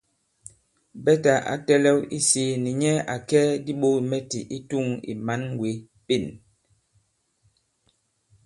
Bɛtà ǎ tɛ̄lɛ̄w isī nì nyɛ à kɛ diɓogìmɛtì i tûŋ ì mǎn wě Pên.